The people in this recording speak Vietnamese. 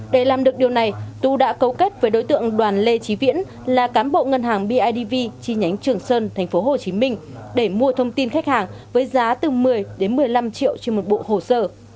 để làm được điều này tú đã cấu kết với đối tượng đoàn lê trí viễn là cán bộ ngân hàng bidv chi nhánh trường sơn tp hcm để mua thông tin khách hàng với giá từ một mươi đến một mươi năm triệu trên một bộ hồ sơ